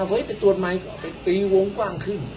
เอาไว้ไปตรวจใหม่ไปตีวงกว้างขึ้น